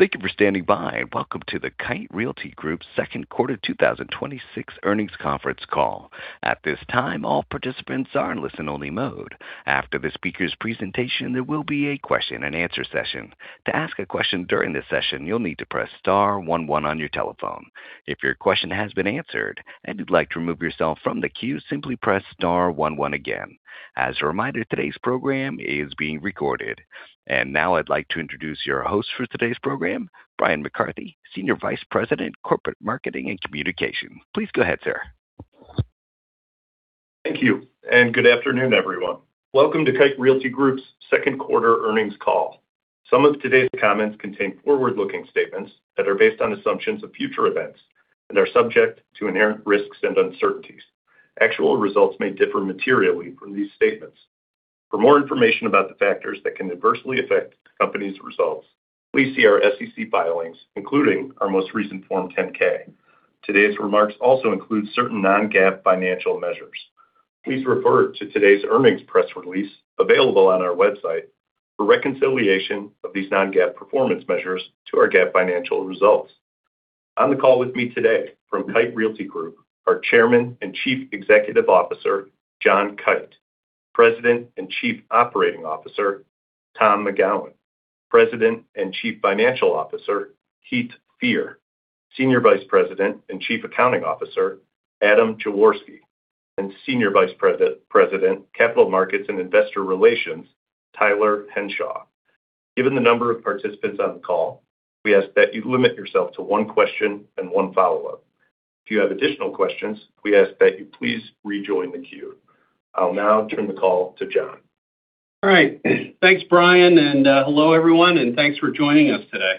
Thank you for standing by. Welcome to the Kite Realty Group second quarter 2026 earnings conference call. At this time, all participants are in listen-only mode. After the speaker's presentation, there will be a question and answer session. To ask a question during this session, you'll need to press star one one on your telephone. If your question has been answered and you'd like to remove yourself from the queue, simply press star one one again. As a reminder, today's program is being recorded. Now I'd like to introduce your host for today's program, Bryan McCarthy, Senior Vice President, Corporate Marketing and Communication. Please go ahead, sir. Thank you. Good afternoon, everyone. Welcome to Kite Realty Group's second quarter earnings call. Some of today's comments contain forward-looking statements that are based on assumptions of future events and are subject to inherent risks and uncertainties. Actual results may differ materially from these statements. For more information about the factors that can adversely affect the company's results, please see our SEC filings, including our most recent Form 10-K. Today's remarks also include certain non-GAAP financial measures. Please refer to today's earnings press release, available on our website, for reconciliation of these non-GAAP performance measures to our GAAP financial results. On the call with me today from Kite Realty Group, our Chairman and Chief Executive Officer, John Kite; President and Chief Operating Officer, Tom McGowan; President and Chief Financial Officer, Heath Fear; Senior Vice President and Chief Accounting Officer, Adam Jaworski; and Senior Vice President, Capital Markets and Investor Relations, Tyler Henshaw. Given the number of participants on the call, we ask that you limit yourself to one question and one follow-up. If you have additional questions, we ask that you please rejoin the queue. I'll now turn the call to John. All right. Thanks, Bryan. Hello, everyone, thanks for joining us today.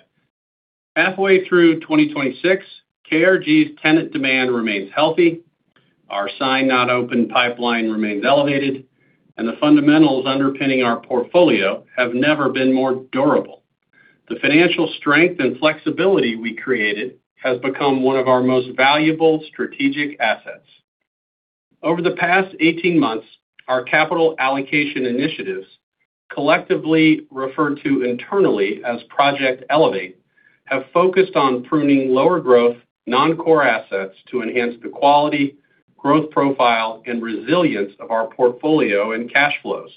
Halfway through 2026, KRG's tenant demand remains healthy. Our signed, not open pipeline remains elevated, the fundamentals underpinning our portfolio have never been more durable. The financial strength and flexibility we created has become one of our most valuable strategic assets. Over the past 18 months, our capital allocation initiatives, collectively referred to internally as Project Elevate, have focused on pruning lower growth, non-core assets to enhance the quality, growth profile, and resilience of our portfolio and cash flows.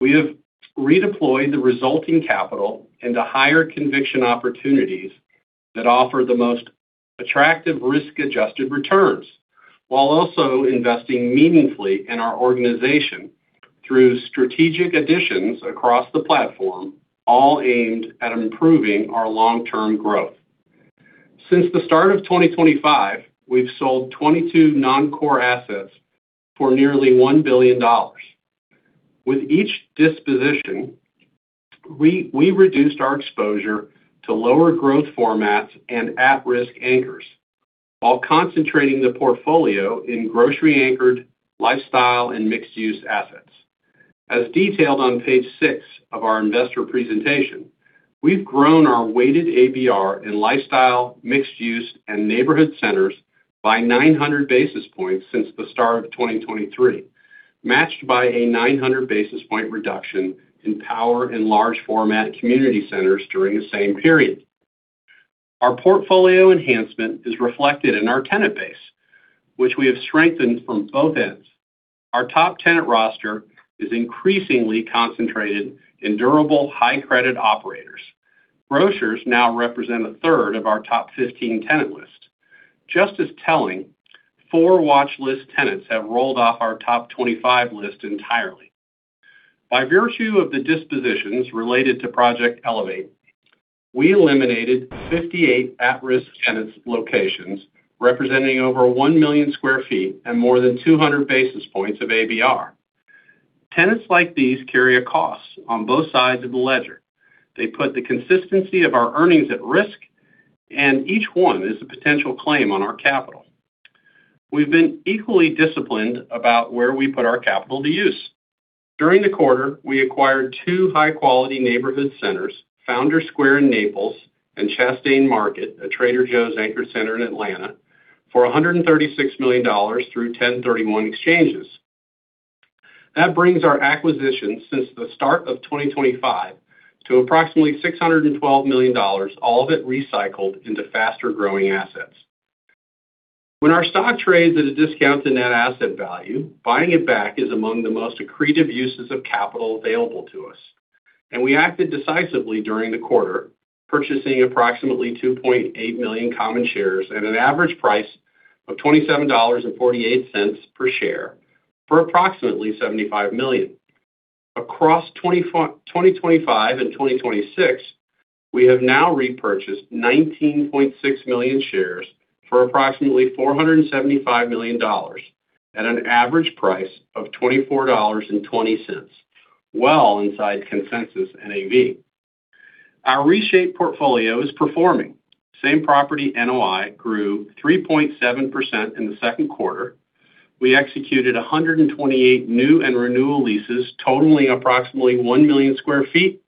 We have redeployed the resulting capital into higher conviction opportunities that offer the most attractive risk-adjusted returns, while also investing meaningfully in our organization through strategic additions across the platform, all aimed at improving our long-term growth. Since the start of 2025, we've sold 22 non-core assets for nearly $1 billion. With each disposition, we reduced our exposure to lower growth formats and at-risk anchors while concentrating the portfolio in grocery-anchored lifestyle and mixed-use assets. As detailed on page six of our investor presentation, we've grown our weighted ABR in lifestyle, mixed-use, and neighborhood centers by 900 basis points since the start of 2023, matched by a 900 basis point reduction in power and large format community centers during the same period. Our portfolio enhancement is reflected in our tenant base, which we have strengthened from both ends. Our top tenant roster is increasingly concentrated in durable high-credit operators. Grocers now represent a third of our top 15 tenant list. Just as telling, four watch list tenants have rolled off our top 25 list entirely. By virtue of the dispositions related to Project Elevate, we eliminated 58 at-risk tenants locations representing over 1 million square feet and more than 200 basis points of ABR. Tenants like these carry a cost on both sides of the ledger. They put the consistency of our earnings at risk, and each one is a potential claim on our capital. We've been equally disciplined about where we put our capital to use. During the quarter, we acquired two high-quality neighborhood centers, Founders Square in Naples and Chastain Market, a Trader Joe's anchor center in Atlanta, for $136 million through 1031 exchanges. That brings our acquisition since the start of 2025 to approximately $612 million, all of it recycled into faster-growing assets. When our stock trades at a discount to net asset value, buying it back is among the most accretive uses of capital available to us. We acted decisively during the quarter, purchasing approximately 2.8 million common shares at an average price of $27.48 per share for approximately $75 million. Across 2025 and 2026, we have now repurchased 19.6 million shares for approximately $475 million at an average price of $24.20, well inside consensus NAV. Our reshaped portfolio is performing. Same-property NOI grew 3.7% in the second quarter. We executed 128 new and renewal leases totaling approximately 1 million square feet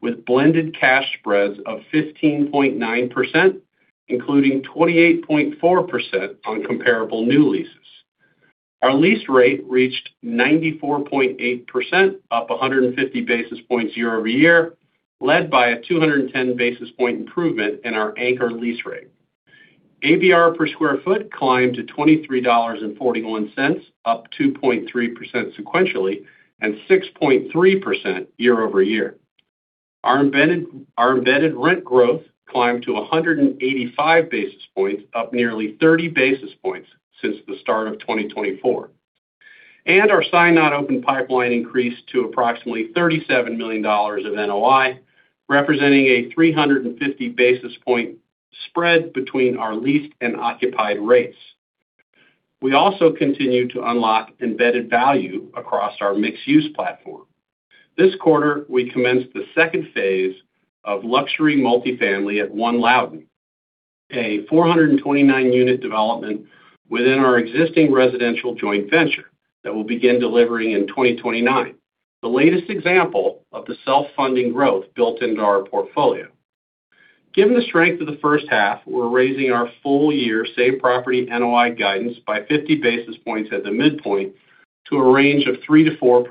with blended cash spreads of 15.9%, including 28.4% on comparable new leases. Our lease rate reached 94.8%, up 150 basis points year-over-year, led by a 210 basis point improvement in our anchor lease rate. ABR per square foot climbed to $23.41, up 2.3% sequentially and 6.3% year-over-year. Our embedded rent growth climbed to 185 basis points, up nearly 30 basis points since the start of 2024. Our signed non-open pipeline increased to approximately $37 million of NOI, representing a 350 basis point spread between our leased and occupied rates. We also continue to unlock embedded value across our mixed-use platform. This quarter, we commenced the second phase of luxury multifamily at One Loudoun, a 429-unit development within our existing residential joint venture that will begin delivering in 2029, the latest example of the self-funding growth built into our portfolio. Given the strength of the first half, we're raising our full year same property NOI guidance by 50 basis points at the midpoint to a range of 3%-4%.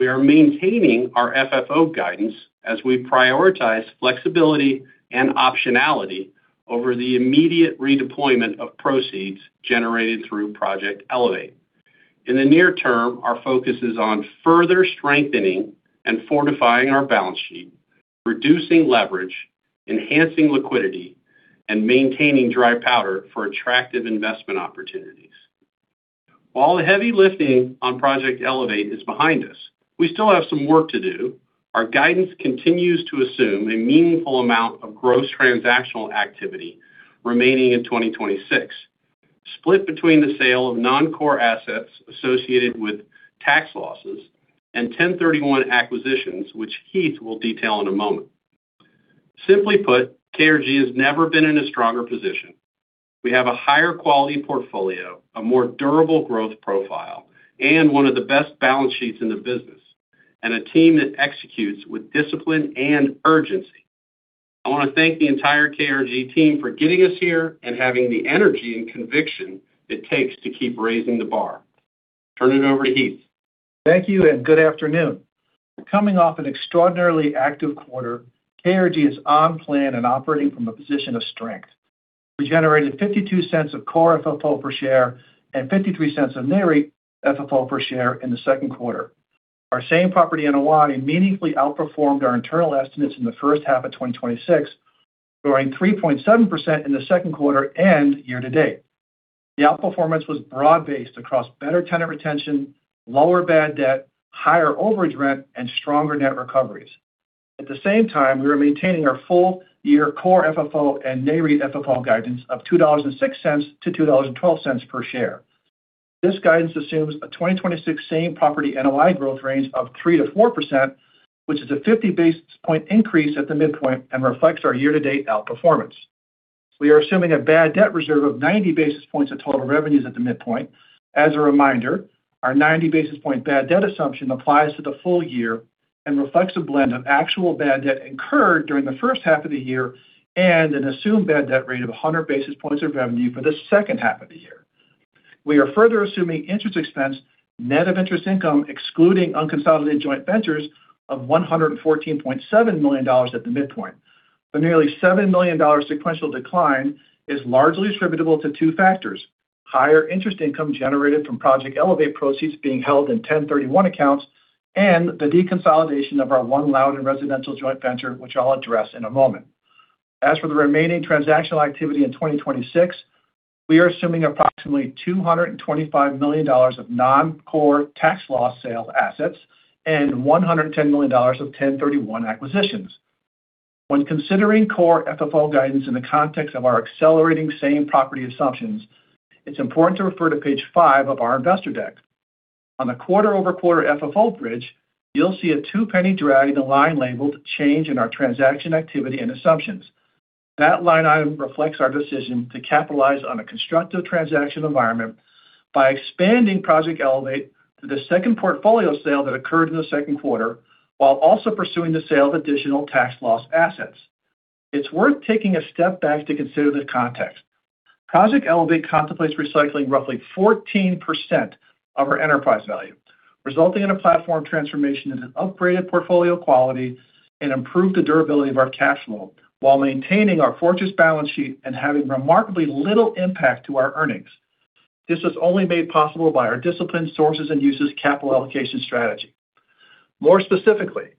We are maintaining our FFO guidance as we prioritize flexibility and optionality over the immediate redeployment of proceeds generated through Project Elevate. In the near term, our focus is on further strengthening and fortifying our balance sheet, reducing leverage, enhancing liquidity, and maintaining dry powder for attractive investment opportunities. While the heavy lifting on Project Elevate is behind us, we still have some work to do. Our guidance continues to assume a meaningful amount of gross transactional activity remaining in 2026, split between the sale of non-core assets associated with tax losses and 1031 acquisitions, which Heath will detail in a moment. Simply put, KRG has never been in a stronger position. We have a higher quality portfolio, a more durable growth profile, and one of the best balance sheets in the business, and a team that executes with discipline and urgency. I want to thank the entire KRG team for getting us here and having the energy and conviction it takes to keep raising the bar. Turn it over to Heath. Thank you, and good afternoon. Coming off an extraordinarily active quarter, KRG is on plan and operating from a position of strength. We generated $0.52 of core FFO per share and $0.53 of Nareit FFO per share in the second quarter. Our same property NOI meaningfully outperformed our internal estimates in the first half of 2026, growing 3.7% in the second quarter and year-to-date. The outperformance was broad-based across better tenant retention, lower bad debt, higher overage rent, and stronger net recoveries. At the same time, we are maintaining our full year core FFO and Nareit FFO guidance of $2.06-$2.12 per share. This guidance assumes a 2026 same property NOI growth range of 3%-4%, which is a 50 basis point increase at the midpoint and reflects our year-to-date outperformance. We are assuming a bad debt reserve of 90 basis points of total revenues at the midpoint. As a reminder, our 90 basis point bad debt assumption applies to the full year and reflects a blend of actual bad debt incurred during the first half of the year and an assumed bad debt rate of 100 basis points of revenue for the second half of the year. We are further assuming interest expense, net of interest income, excluding unconsolidated joint ventures of $114.7 million at the midpoint. The nearly $7 million sequential decline is largely attributable to two factors: higher interest income generated from Project Elevate proceeds being held in 1031 accounts, and the deconsolidation of our One Loudoun residential joint venture, which I'll address in a moment. As for the remaining transactional activity in 2026, we are assuming approximately $225 million of non-core tax law sale assets and $110 million of 1031 acquisitions. When considering core FFO guidance in the context of our accelerating same property assumptions, it's important to refer to page five of our investor deck. On the quarter-over-quarter FFO bridge, you'll see a two penny drag in the line labeled Change in Our Transaction Activity and Assumptions. That line item reflects our decision to capitalize on a constructive transaction environment by expanding Project Elevate to the second portfolio sale that occurred in the second quarter, while also pursuing the sale of additional tax loss assets. It's worth taking a step back to consider the context. Project Elevate contemplates recycling roughly 14% of our enterprise value, resulting in a platform transformation into upgraded portfolio quality and improve the durability of our cash flow while maintaining our fortress balance sheet and having remarkably little impact to our earnings. This is only made possible by our disciplined sources and uses capital allocation strategy. More specifically,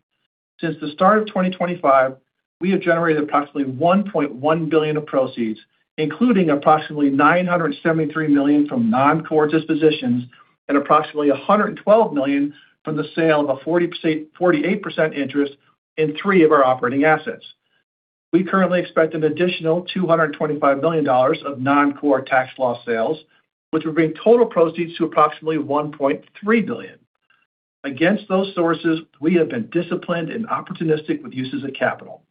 since the start of 2025, we have generated approximately $1.1 billion of proceeds, including approximately $973 million from non-core dispositions and approximately $112 million from the sale of a 48% interest in three of our operating assets. We currently expect an additional $225 million of non-core tax law sales, which will bring total proceeds to approximately $1.3 billion. Against those sources, we have been disciplined and opportunistic with uses of capital.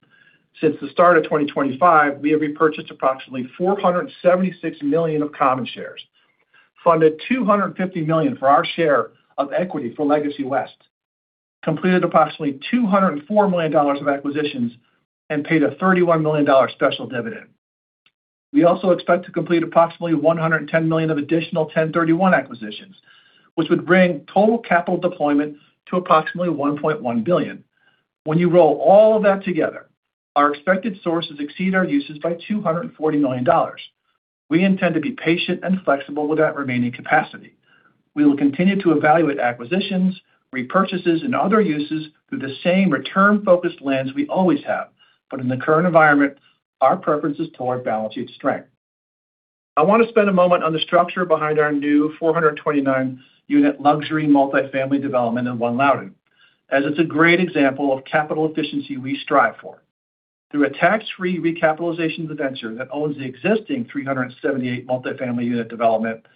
Since the start of 2025, we have repurchased approximately $476 million of common shares, funded $250 million for our share of equity for Legacy West, completed approximately $204 million of acquisitions and paid a $31 million special dividend. We also expect to complete approximately $110 million of additional 1031 acquisitions, which would bring total capital deployment to approximately $1.1 billion. When you roll all of that together, our expected sources exceed our uses by $240 million. We intend to be patient and flexible with that remaining capacity. We will continue to evaluate acquisitions, repurchases, and other uses through the same return-focused lens we always have. But in the current environment, our preference is toward balance sheet strength. I want to spend a moment on the structure behind our new 429-unit luxury multifamily development in One Loudoun, as it's a great example of capital efficiency we strive for. Through a tax-free recapitalization venture that owns the existing 378 multifamily unit development,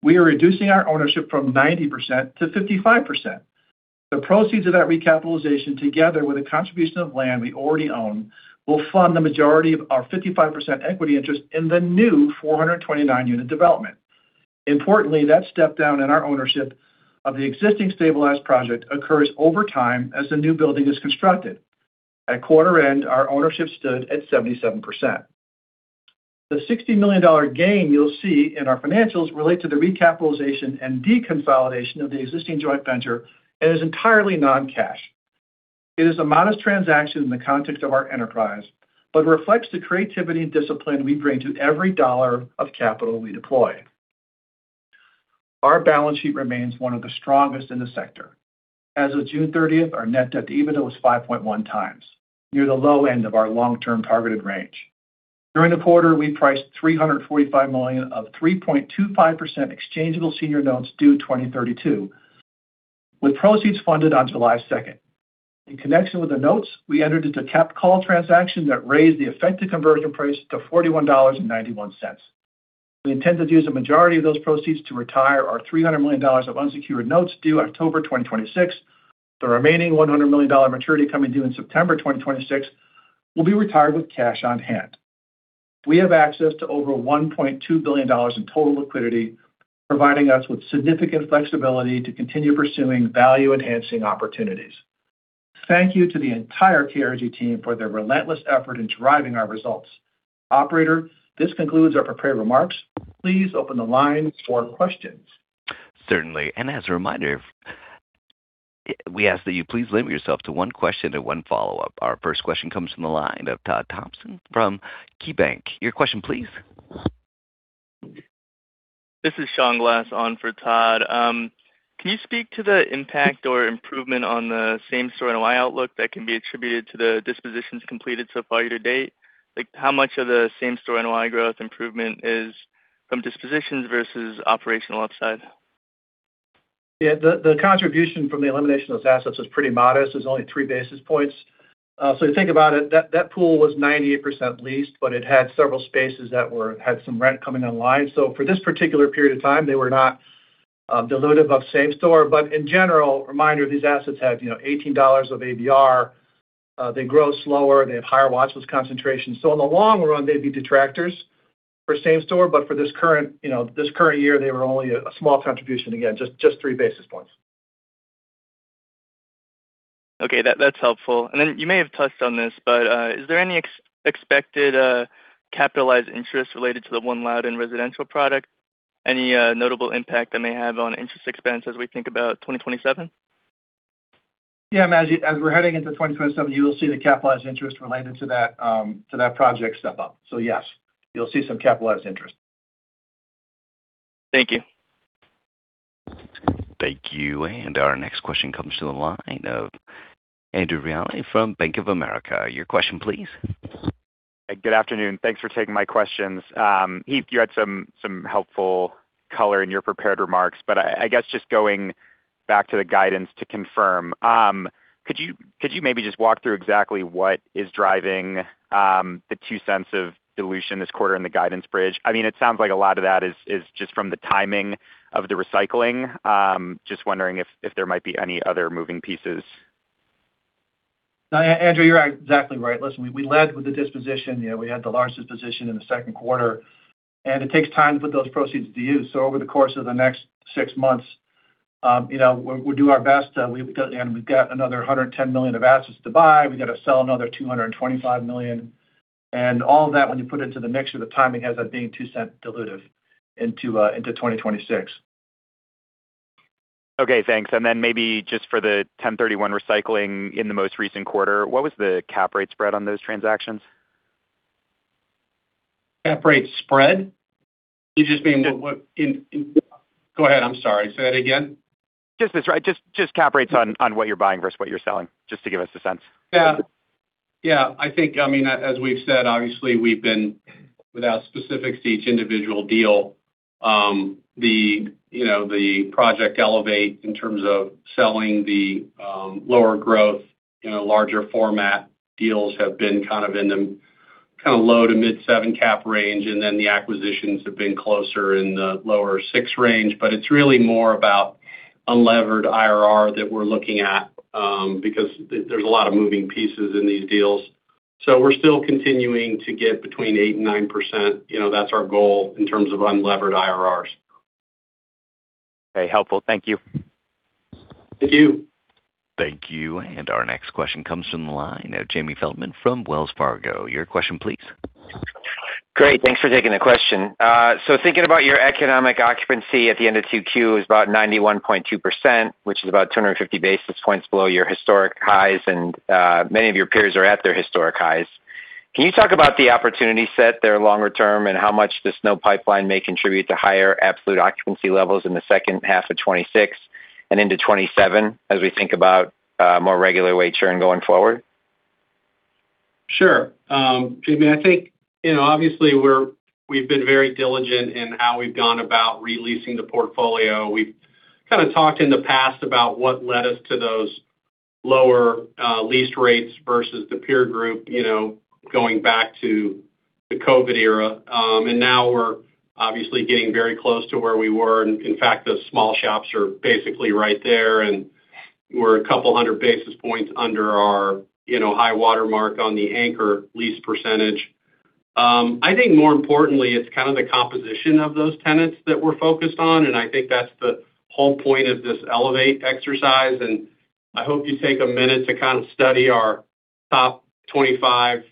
we are reducing our ownership from 90%-55%. The proceeds of that recapitalization, together with a contribution of land we already own, will fund the majority of our 55% equity interest in the new 429-unit development. Importantly, that step down in our ownership of the existing stabilized project occurs over time as the new building is constructed. At quarter end, our ownership stood at 77%. The $60 million gain you'll see in our financials relate to the recapitalization and deconsolidation of the existing joint venture, and is entirely non-cash. It is a modest transaction in the context of our enterprise, but reflects the creativity and discipline we bring to every dollar of capital we deploy. Our balance sheet remains one of the strongest in the sector. As of June 30th, our net debt to EBITDA was 5.1x, near the low end of our long-term targeted range. During the quarter, we priced $345 million of 3.25% exchangeable senior notes due 2032, with proceeds funded on July 2nd. In connection with the notes, we entered into a capped call transaction that raised the effective conversion price to $41.91. We intended to use the majority of those proceeds to retire our $300 million of unsecured notes due October 2026. The remaining $100 million maturity coming due in September 2026 will be retired with cash on hand. We have access to over $1.2 billion in total liquidity, providing us with significant flexibility to continue pursuing value-enhancing opportunities. Thank you to the entire KRG team for their relentless effort in driving our results. Operator, this concludes our prepared remarks. Please open the line for questions. Certainly. As a reminder, we ask that you please limit yourself to one question and one follow-up. Our first question comes from the line of Todd Thomas from KeyBank. Your question, please. This is Sean Glass on for Todd. Can you speak to the impact or improvement on the same-store NOI outlook that can be attributed to the dispositions completed so far year-to-date? How much of the same-store NOI growth improvement is from dispositions versus operational upside? Yeah. The contribution from the elimination of those assets was pretty modest. It was only three basis points. If you think about it, that pool was 98% leased, but it had several spaces that had some rent coming online. For this particular period of time, they were not dilutive of same-store, but in general, reminder, these assets have $18 of ABR. They grow slower, they have higher watch list concentration. In the long run, they'd be detractors for same-store, but for this current year, they were only a small contribution. Again, just three basis points. Okay. That's helpful. You may have touched on this, but is there any expected capitalized interest related to the One Loudoun residential product? Any notable impact that may have on interest expense as we think about 2027? Yeah, as we're heading into 2027, you will see the capitalized interest related to that project step up. Yes, you'll see some capitalized interest. Thank you. Thank you. Our next question comes to the line of Andrew Reale from Bank of America. Your question, please. Good afternoon. Thanks for taking my questions. Heath, you had some helpful color in your prepared remarks, I guess just going back to the guidance to confirm. Could you maybe just walk through exactly what is driving the $0.02 of dilution this quarter in the guidance bridge? It sounds like a lot of that is just from the timing of the recycling. Just wondering if there might be any other moving pieces. No, Andrew, you're exactly right. Listen, we led with the disposition. We had the largest disposition in the second quarter. It takes time to put those proceeds to use. Over the course of the next six months, we'll do our best. We've got another $110 million of assets to buy. We've got to sell another $225 million. All that, when you put into the mix with the timing, ends up being $0.02 dilutive into 2026. Okay, thanks. Maybe just for the 1031 recycling in the most recent quarter, what was the cap rate spread on those transactions? Cap rate spread? You just mean. Go ahead, I'm sorry. Say that again. Just cap rates on what you're buying versus what you're selling, just to give us a sense. Yeah. I think, as we've said, obviously, we've been without specifics to each individual deal. Project Elevate in terms of selling the lower growth, larger format deals have been kind of in the low to mid seven cap range, and then the acquisitions have been closer in the lower six range. It's really more about unlevered IRR that we're looking at, because there's a lot of moving pieces in these deals. We're still continuing to get between 8% and 9%. That's our goal in terms of unlevered IRRs. Very helpful. Thank you. Thank you. Thank you. Our next question comes from the line of Jamie Feldman from Wells Fargo. Your question, please. Great. Thanks for taking the question. Thinking about your economic occupancy at the end of 2Q is about 91.2%, which is about 250 basis points below your historic highs, and many of your peers are at their historic highs. Can you talk about the opportunity set there longer term, and how much this new pipeline may contribute to higher absolute occupancy levels in the second half of 2026 and into 2027, as we think about more regular wage churn going forward? Sure. Jamie, I think, obviously we've been very diligent in how we've gone about re-leasing the portfolio. We've kind of talked in the past about what led us to those lower lease rates versus the peer group, going back to the COVID era. Now we're obviously getting very close to where we were. In fact, those small shops are basically right there, and we're a couple of 100 basis points under our high water mark on the anchor lease percentage. I think more importantly, it's kind of the composition of those tenants that we're focused on, and I think that's the whole point of this Elevate exercise. I hope you take a minute to kind of study our top 25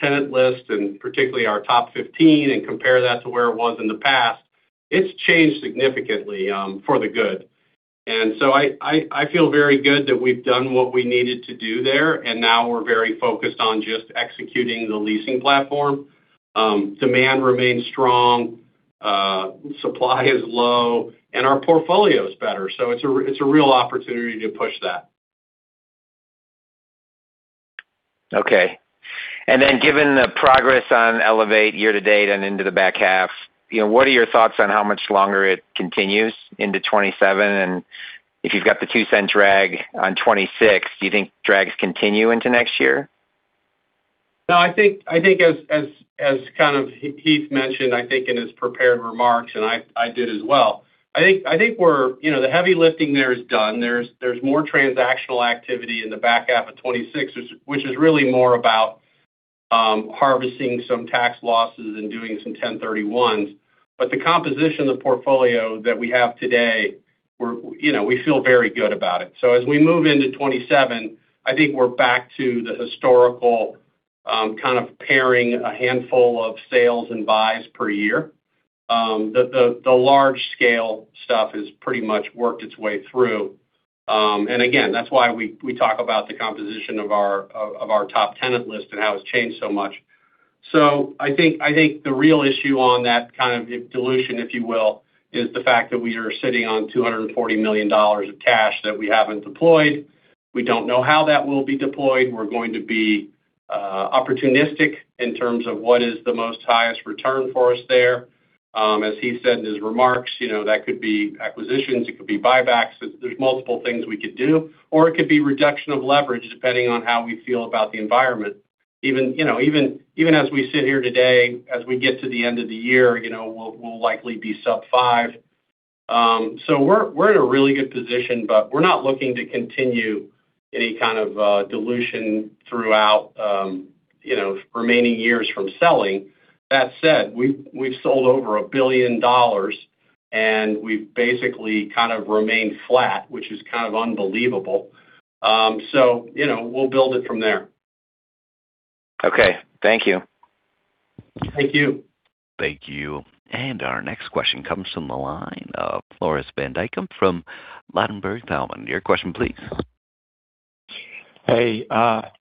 tenant list and particularly our top 15, and compare that to where it was in the past. It's changed significantly for the good. I feel very good that we've done what we needed to do there, and now we're very focused on just executing the leasing platform. Demand remains strong, supply is low, and our portfolio is better. It's a real opportunity to push that. Okay. Given the progress on Elevate year-to-date and into the back half, what are your thoughts on how much longer it continues into 2027? If you've got the $0.02 drag on 2026, do you think drags continue into next year? No, I think as kind of Heath mentioned, I think in his prepared remarks, and I did as well, I think the heavy lifting there is done. There's more transactional activity in the back half of 2026, which is really more about harvesting some tax losses and doing some 1031s. The composition of the portfolio that we have today, we feel very good about it. As we move into 2027, I think we're back to the historical kind of pairing a handful of sales and buys per year. The large scale stuff has pretty much worked its way through. Again, that's why we talk about the composition of our top tenant list and how it's changed so much. I think the real issue on that kind of dilution, if you will, is the fact that we are sitting on $240 million of cash that we haven't deployed. We don't know how that will be deployed. We're going to be opportunistic in terms of what is the most highest return for us there. As Heath said in his remarks, that could be acquisitions, it could be buybacks. There's multiple things we could do, or it could be reduction of leverage, depending on how we feel about the environment. Even as we sit here today, as we get to the end of the year, we'll likely be sub five. We're in a really good position, but we're not looking to continue any kind of dilution throughout remaining years from selling. That said, we've sold over $1 billion, and we've basically kind of remained flat, which is kind of unbelievable. We'll build it from there. Okay. Thank you. Thank you. Thank you. Our next question comes from the line of Floris van Dijkum from Ladenburg Thalmann. Your question, please. Hey,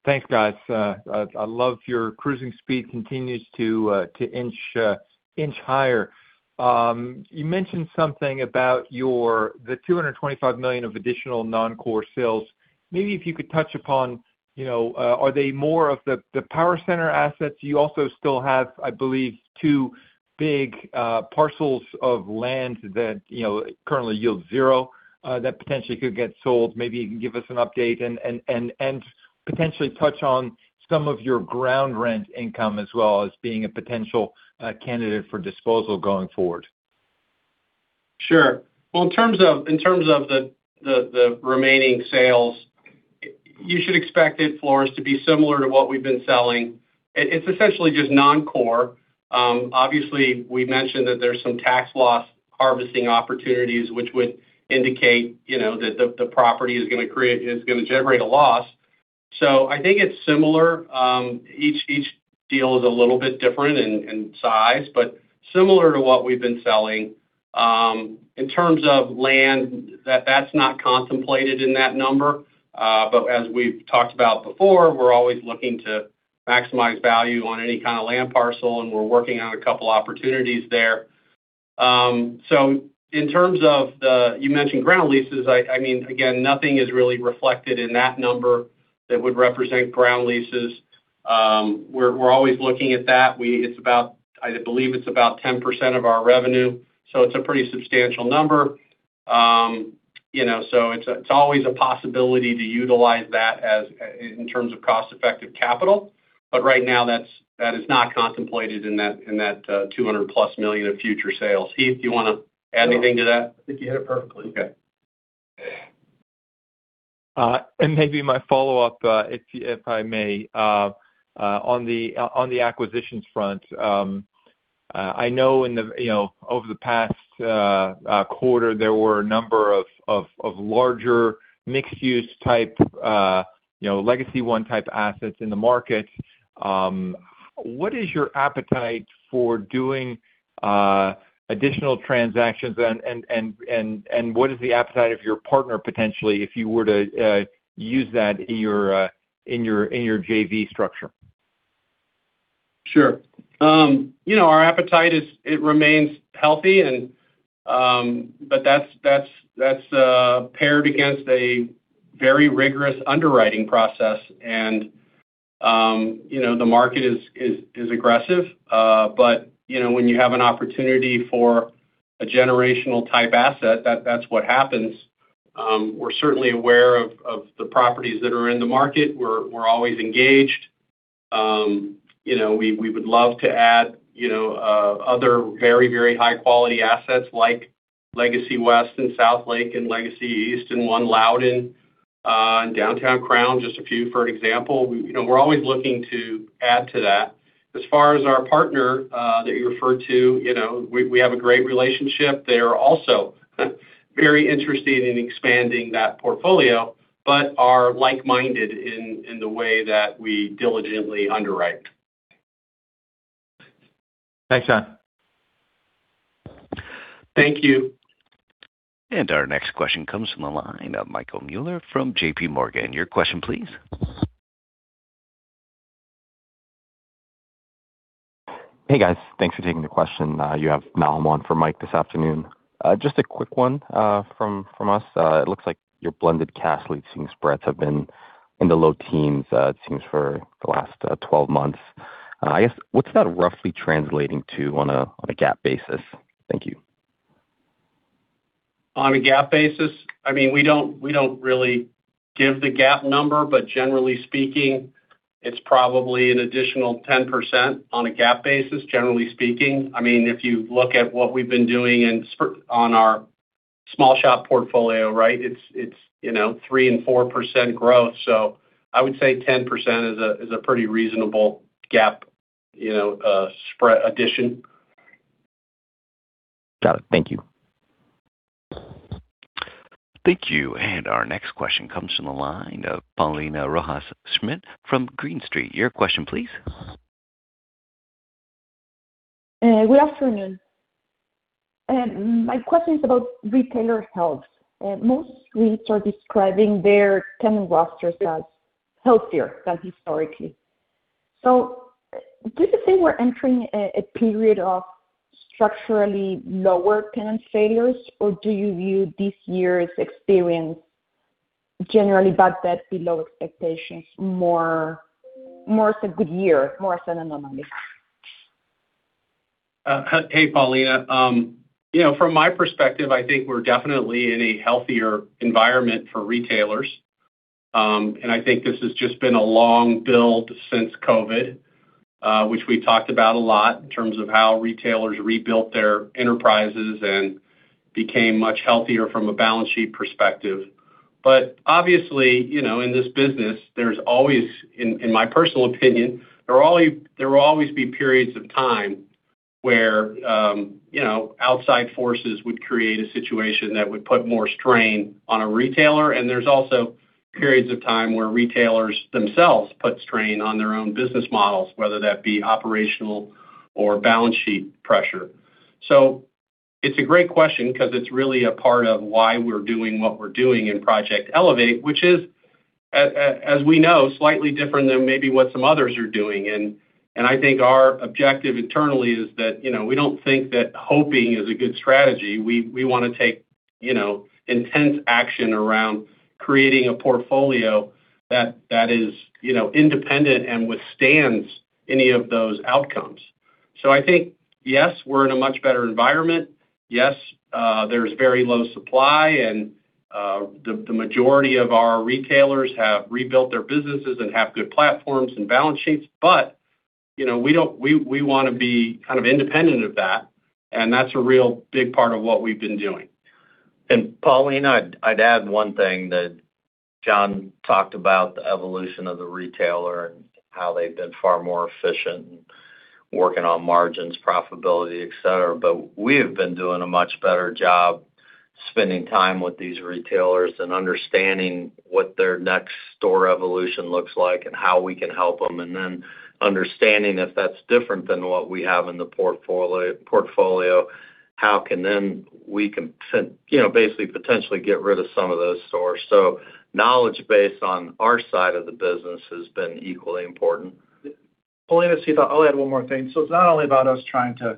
thanks, guys. I love your cruising speed continues to inch higher. You mentioned something about the $225 million of additional non-core sales. Maybe if you could touch upon, are they more of the power center assets? You also still have, I believe, two big parcels of land that currently yield 0, that potentially could get sold. Maybe you can give us an update and potentially touch on some of your ground rent income as well as being a potential candidate for disposal going forward. Sure. Well, in terms of the remaining sales, you should expect it, Floris, to be similar to what we've been selling. It's essentially just non-core. Obviously, we mentioned that there's some tax loss harvesting opportunities, which would indicate that the property is going to generate a loss. I think it's similar. Each deal is a little bit different in size, but similar to what we've been selling. In terms of land, that's not contemplated in that number. As we've talked about before, we're always looking to maximize value on any kind of land parcel, and we're working on a couple opportunities there. In terms of you mentioned ground leases. Again, nothing is really reflected in that number that would represent ground leases. We're always looking at that. I believe it's about 10% of our revenue, so it's a pretty substantial number. So it is always a possibility to utilize that in terms of cost-effective capital. But right now that is not contemplated in that $200+ million of future sales. Heath, do you want to add anything to that? I think you hit it perfectly. Okay. Maybe my follow-up, if I may, on the acquisitions front. I know over the past quarter, there were a number of larger mixed-use type, Legacy I type assets in the market. What is your appetite for doing additional transactions and what is the appetite of your partner, potentially, if you were to use that in your JV structure? Sure. Our appetite, it remains healthy, but that is paired against a very rigorous underwriting process. The market is aggressive. But when you have an opportunity for a generational-type asset, that is what happens. We are certainly aware of the properties that are in the market. We are always engaged. We would love to add other very, very high-quality assets like Legacy West and Southlake and Legacy East and One Loudoun and Downtown Crown, just a few, for an example. We are always looking to add to that. As far as our partner that you referred to, we have a great relationship. They are also very interested in expanding that portfolio, but are like-minded in the way that we diligently underwrite. Thanks, John. Thank you. Our next question comes from the line of Michael Mueller from JPMorgan. Your question, please. Hey, guys. Thanks for taking the question. You have Mal on for Mike this afternoon. Just a quick one from us. It looks like your blended cash leasing spreads have been in the low teens, it seems, for the last 12 months. I guess, what's that roughly translating to on a GAAP basis? Thank you. On a GAAP basis, we don't really give the GAAP number, but generally speaking, it's probably an additional 10% on a GAAP basis, generally speaking. If you look at what we've been doing on our small shop portfolio, it's 3% and 4% growth. I would say 10% is a pretty reasonable GAAP spread addition. Got it. Thank you. Thank you. Our next question comes from the line of Paulina Rojas Schmidt from Green Street. Your question, please. Well afternoon. My question is about retailer health. Most REITs are describing their tenant rosters as healthier than historically. Do you think we're entering a period of structurally lower tenant failures, or do you view this year's experience generally, but that below expectations more as a good year, more as an anomaly? Hey, Paulina. From my perspective, I think we're definitely in a healthier environment for retailers. I think this has just been a long build since COVID, which we talked about a lot in terms of how retailers rebuilt their enterprises and became much healthier from a balance sheet perspective. Obviously, in this business, in my personal opinion, there will always be periods of time where outside forces would create a situation that would put more strain on a retailer. There's also periods of time where retailers themselves put strain on their own business models, whether that be operational or balance sheet pressure. It's a great question because it's really a part of why we're doing what we're doing in Project Elevate, which is, as we know, slightly different than maybe what some others are doing. I think our objective internally is that we don't think that hoping is a good strategy. We want to take intense action around creating a portfolio that is independent and withstands any of those outcomes. I think, yes, we're in a much better environment. Yes, there's very low supply, and the majority of our retailers have rebuilt their businesses and have good platforms and balance sheets. We want to be kind of independent of that, and that's a real big part of what we've been doing. Paulina, I'd add one thing that John talked about the evolution of the retailer and how they've been far more efficient working on margins, profitability, et cetera. We have been doing a much better job spending time with these retailers and understanding what their next store evolution looks like and how we can help them, and then understanding if that's different than what we have in the portfolio, how can then we can basically potentially get rid of some of those stores. Knowledge base on our side of the business has been equally important. Paulina, I'll add one more thing. It's not only about us trying to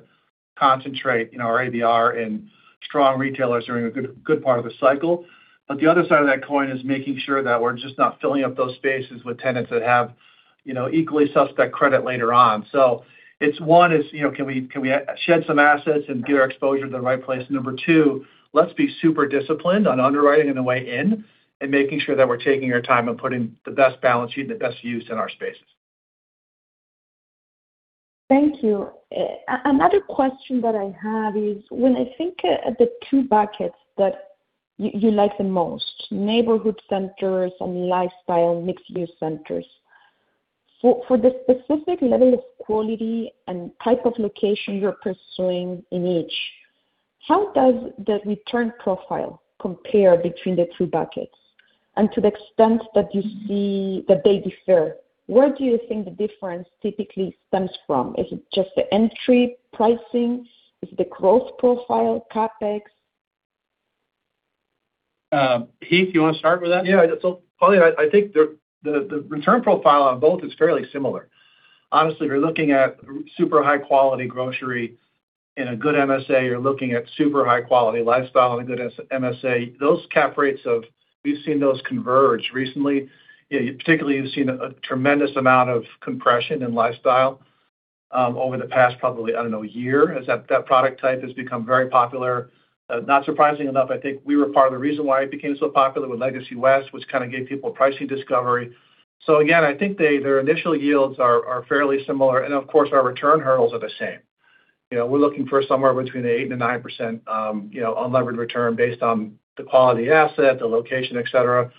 concentrate our ABR in strong retailers during a good part of the cycle, but the other side of that coin is making sure that we're just not filling up those spaces with tenants that have equally suspect credit later on. It's one is, can we shed some assets and get our exposure to the right place? Number two, let's be super disciplined on underwriting in the way in, and making sure that we're taking our time and putting the best balance sheet and the best use in our spaces. Thank you. Another question that I have is when I think of the two buckets that you like the most, Neighborhood Centers and Lifestyle Mixed-use Centers, for the specific letting quality and type of location you're pursuing in each, how does the return profile compare between the two buckets? To the extent that you see that they differ, where do you think the difference typically stems from? Is it just the entry pricing? Is it the growth profile, CapEx? Heath, you want to start with that? Yeah. Paulina, I think the return profile on both is fairly similar. Honestly, you're looking at super high quality grocery in a good MSA, you're looking at super high quality lifestyle in a good MSA. Those cap rates of, we've seen those converge recently. Particularly, you've seen a tremendous amount of compression in lifestyle, over the past, probably, I don't know, year, as that product type has become very popular. Not surprising enough. I think we were part of the reason why it became so popular with Legacy West, which kind of gave people pricing discovery. Again, I think their initial yields are fairly similar, and of course, our return hurdles are the same. We're looking for somewhere between 8%-9%, unlevered return based on the quality asset, the location, et cetera.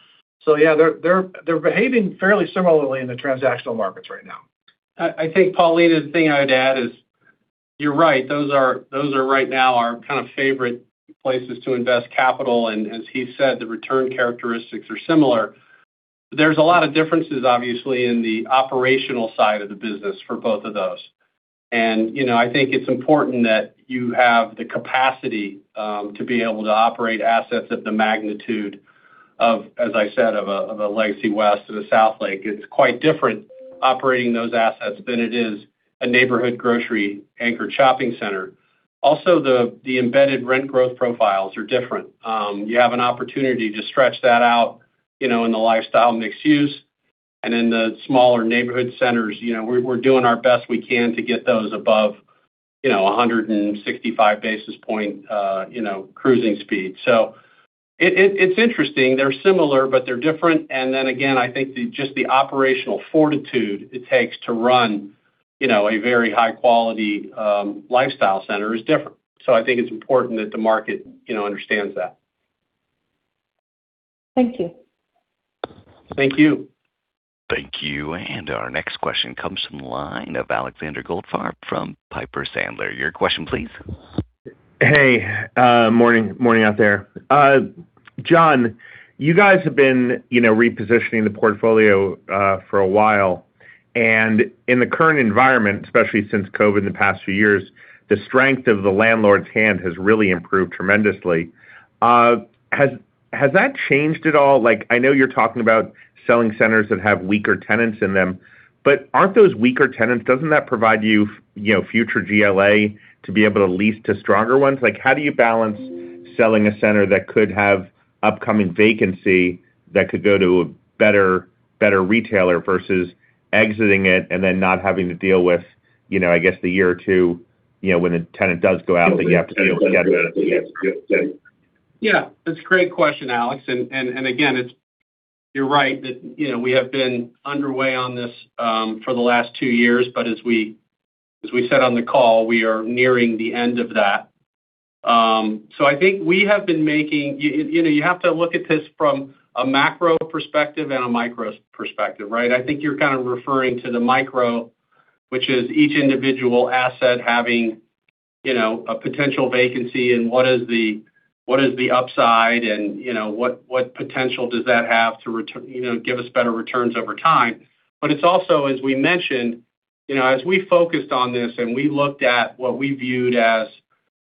Yeah, they're behaving fairly similarly in the transactional markets right now. I think Paulina, the thing I'd add is, you're right, those are right now our kind of favorite places to invest capital, and as Heath said, the return characteristics are similar. There's a lot of differences, obviously, in the operational side of the business for both of those. I think it's important that you have the capacity to be able to operate assets of the magnitude of, as I said, of a Legacy West or Southlake. It's quite different operating those assets than it is a neighborhood grocery anchor shopping center. Also, the embedded rent growth profiles are different. You have an opportunity to stretch that out, in the lifestyle mixed use, and in the smaller neighborhood centers, we're doing our best we can to get those above 165 basis points cruising speed. It's interesting. They're similar, but they're different. Again, I think just the operational fortitude it takes to run a very high-quality lifestyle center is different. I think it's important that the market understands that. Thank you. Thank you. Thank you. Our next question comes from the line of Alexander Goldfarb from Piper Sandler. Your question, please. Hey, morning out there. John, you guys have been repositioning the portfolio for a while, in the current environment, especially since COVID in the past few years, the strength of the landlord's hand has really improved tremendously. Has that changed at all? I know you're talking about selling centers that have weaker tenants in them, aren't those weaker tenants, doesn't that provide you future GLA to be able to lease to stronger ones? How do you balance selling a center that could have upcoming vacancy that could go to a better retailer versus exiting it and then not having to deal with, I guess, the year or two, when the tenant does go out that you have to deal with getting it leased again? Yeah, that's a great question, Alex. Again, you're right that we have been underway on this for the last two years, as we said on the call, we are nearing the end of that. I think we have been You have to look at this from a macro perspective and a micro perspective, right? I think you're kind of referring to the micro, which is each individual asset having a potential vacancy and what is the upside and what potential does that have to give us better returns over time. It's also, as we mentioned, as we focused on this and we looked at what we viewed as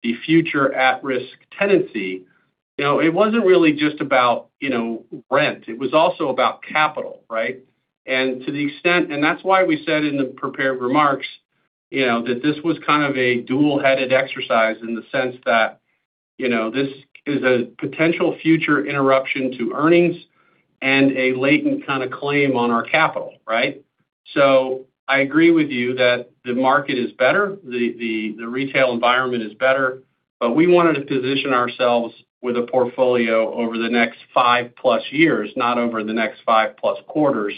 the future at-risk tenancy, it wasn't really just about rent, it was also about capital, right? To the extent, that's why we said in the prepared remarks, that this was kind of a dual-headed exercise in the sense that, this is a potential future interruption to earnings and a latent kind of claim on our capital, right? I agree with you that the market is better, the retail environment is better, we wanted to position ourselves with a portfolio over the next 5+ years, not over the next 5+ quarters.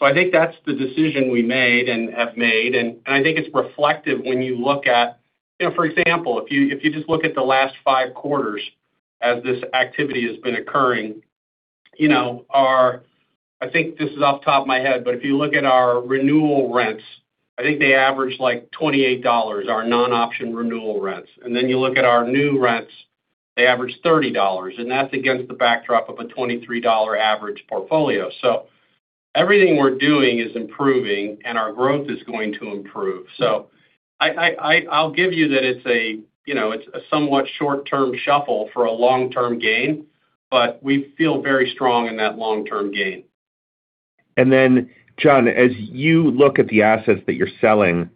I think that's the decision we made and have made, I think it's reflective when you look at, for example, if you just look at the last five quarters as this activity has been occurring. I think this is off the top of my head, if you look at our renewal rents, I think they average like $28, our non-option renewal rents. You look at our new rents, they average $30, that's against the backdrop of a $23 average portfolio. Everything we're doing is improving, our growth is going to improve. I'll give you that it's a somewhat short-term shuffle for a long-term gain, we feel very strong in that long-term gain. John, as you look at the assets that you're selling,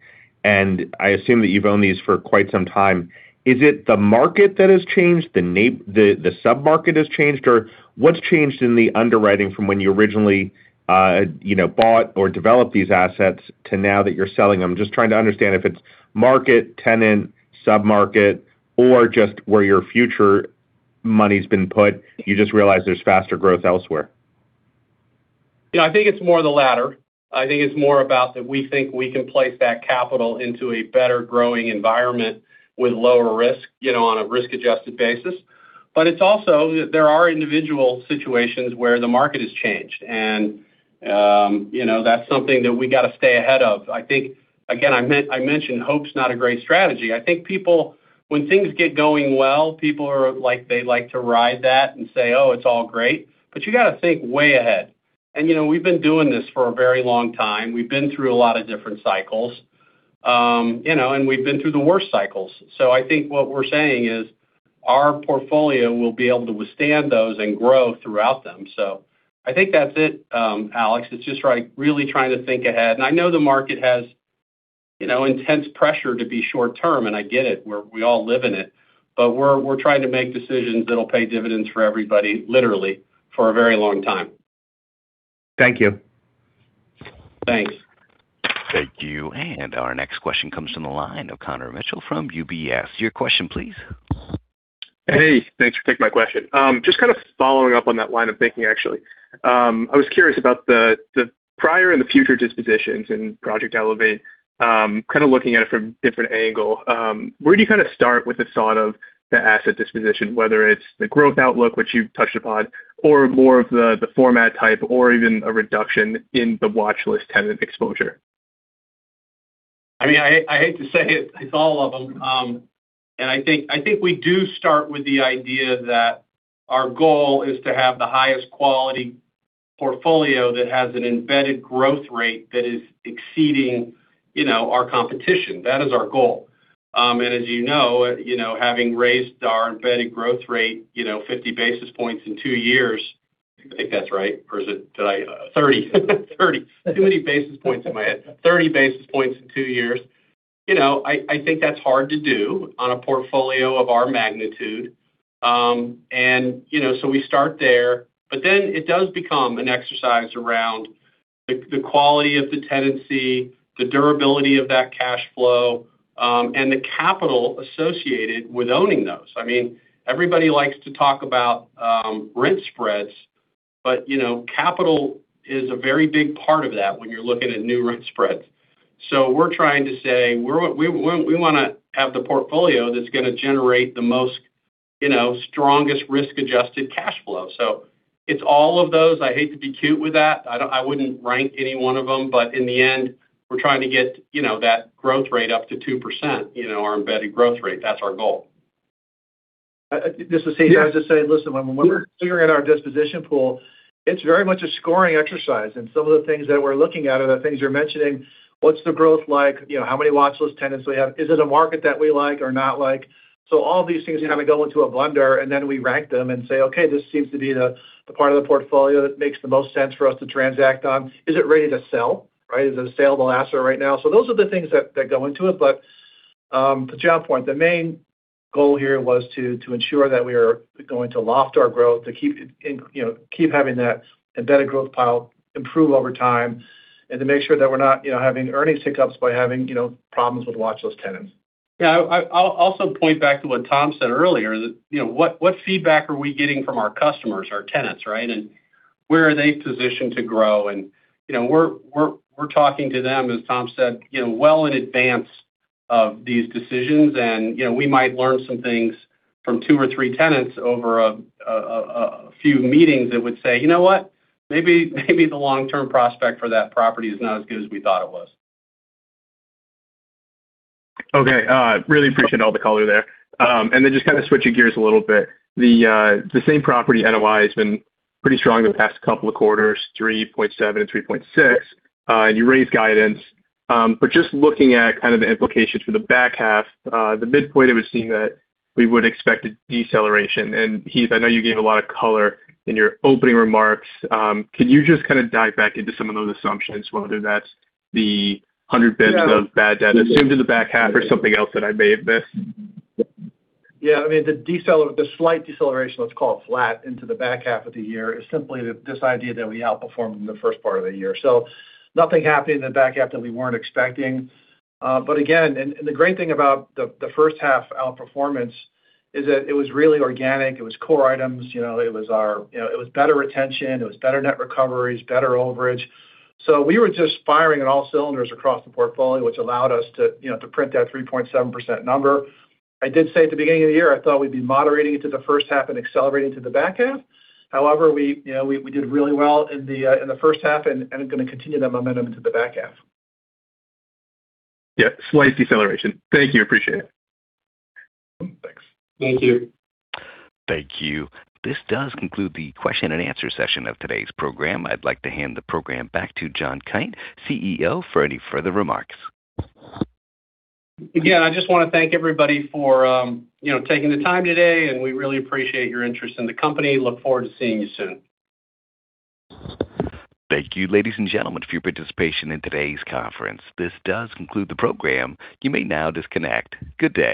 and I assume that you've owned these for quite some time, is it the market that has changed, the sub-market has changed, or what's changed in the underwriting from when you originally bought or developed these assets to now that you're selling them? Just trying to understand if it's market, tenant, sub-market, or just where your future money's been put, you just realize there's faster growth elsewhere. I think it's more the latter. I think it's more about that we think we can place that capital into a better growing environment with lower risk on a risk-adjusted basis. It's also that there are individual situations where the market has changed, and that's something that we got to stay ahead of. I think, again, I mentioned hope's not a great strategy. I think people, when things get going well, they like to ride that and say, "Oh, it's all great." You got to think way ahead. We've been doing this for a very long time. We've been through a lot of different cycles. We've been through the worst cycles. I think what we're saying is our portfolio will be able to withstand those and grow throughout them. I think that's it, Alex. It's just really trying to think ahead. I know the market has intense pressure to be short-term, and I get it. We all live in it. We're trying to make decisions that'll pay dividends for everybody, literally, for a very long time. Thank you. Thanks. Thank you. Our next question comes from the line of Connor Mitchell from UBS. Your question, please. Hey, thanks for taking my question. Just kind of following up on that line of thinking, actually. I was curious about the prior and the future dispositions in Project Elevate, kind of looking at it from a different angle. Where do you kind of start with the thought of the asset disposition, whether it's the growth outlook, which you've touched upon, or more of the format type or even a reduction in the watch list tenant exposure? I hate to say it's all of them. I think we do start with the idea that our goal is to have the highest quality portfolio that has an embedded growth rate that is exceeding our competition. That is our goal. As you know, having raised our embedded growth rate 50 basis points in two years. I think that's right. Or is it 30? 30. Too many basis points in my head. 30 basis points in two years. I think that's hard to do on a portfolio of our magnitude. We start there. It does become an exercise around the quality of the tenancy, the durability of that cash flow, and the capital associated with owning those. Everybody likes to talk about rent spreads, but capital is a very big part of that when you're looking at new rent spreads. We're trying to say we want to have the portfolio that's going to generate the most strongest risk-adjusted cash flow. It's all of those. I hate to be cute with that. I wouldn't rank any one of them. In the end, we're trying to get that growth rate up to 2%, our embedded growth rate. That's our goal. This is Heath. I'll just say, listen, when we're figuring our disposition pool, it's very much a scoring exercise. Some of the things that we're looking at are the things you're mentioning. What's the growth like? How many watch list tenants we have? Is it a market that we like or not like? All these things kind of go into a blender, and then we rank them and say, "Okay, this seems to be the part of the portfolio that makes the most sense for us to transact on." Is it ready to sell, right? Is it a saleable asset right now? Those are the things that go into it. To John's point, the main goal here was to ensure that we are going to loft our growth to keep having that embedded growth pile improve over time and to make sure that we're not having earnings hiccups by having problems with watch list tenants. Yeah. I'll also point back to what Tom said earlier. What feedback are we getting from our customers, our tenants, right? Where are they positioned to grow? We're talking to them, as Tom said, well in advance of these decisions. We might learn some things from two or three tenants over a few meetings that would say, "You know what? Maybe the long-term prospect for that property is not as good as we thought it was. Okay. Really appreciate all the color there. Just kind of switching gears a little bit. The same property NOI has been pretty strong the past couple of quarters, 3.7 and 3.6. You raised guidance. Just looking at kind of the implications for the back half, the midpoint, it would seem that we would expect a deceleration. Heath, I know you gave a lot of color in your opening remarks. Can you just kind of dive back into some of those assumptions, whether that's the 100 basis points of bad debt assumed in the back half or something else that I may have missed? Yeah. The slight deceleration, let's call it flat into the back half of the year is simply this idea that we outperformed in the first part of the year. Nothing happening in the back half that we weren't expecting. Again, the great thing about the first half outperformance is that it was really organic. It was core items. It was better retention, it was better net recoveries, better overage. We were just firing on all cylinders across the portfolio, which allowed us to print that 3.7% number. I did say at the beginning of the year, I thought we'd be moderating it to the first half and accelerating to the back half. We did really well in the first half, and are going to continue that momentum into the back half. Yeah, slight deceleration. Thank you, appreciate it. Thanks. Thank you. Thank you. This does conclude the question and answer session of today's program. I'd like to hand the program back to John Kite, CEO, for any further remarks. Again, I just want to thank everybody for taking the time today, and we really appreciate your interest in the company. Look forward to seeing you soon. Thank you, ladies and gentlemen, for your participation in today's conference. This does conclude the program. You may now disconnect. Good day.